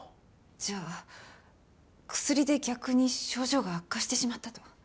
じゃあ薬で逆に症状が悪化してしまったと。